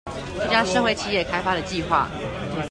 這家社會企業開發的計畫